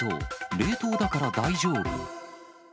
冷凍だから大丈夫。